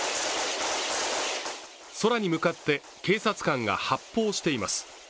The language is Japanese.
空に向かって警察官が発砲しています。